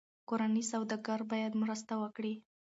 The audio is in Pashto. کورني سوداګر باید مرسته وکړي.